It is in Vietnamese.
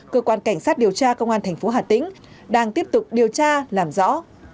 cơ quan cảnh sát điều tra công an tp hà tĩnh đang tiếp tục điều tra làm rõ